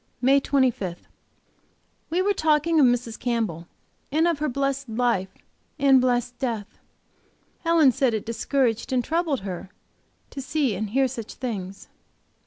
MAY 25. We were talking of Mrs. Campbell, and of her blessed life and blessed death. Helen said it discouraged and troubled her to see and hear such things.